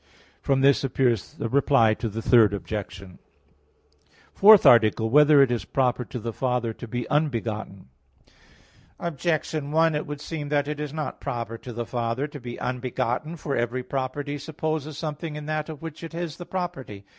From this appears the Reply to the Third Objection. _______________________ FOURTH ARTICLE [I, Q. 33, Art. 4] Whether It Is Proper to the Father to Be Unbegotten? Objection 1: It would seem that it is not proper to the Father to be unbegotten. For every property supposes something in that of which it is the property.